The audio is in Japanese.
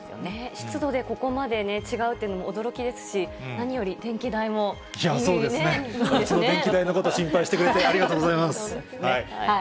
湿度でここまで違うというのそうですね、うちの電気代のこと心配してくれて、ありがとうございます。